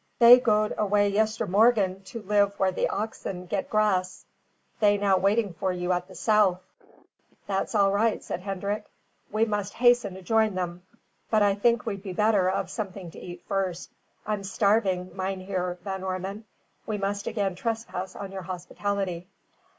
"They goed away yester morgen to live where the oxen get grass. They now waiting for you at the south." "That's all right," said Hendrik. "We must hasten to join them; but I think we'd be better of something to eat first. I'm starving. Mynheer Van Ormon, we must again trespass on your hospitality."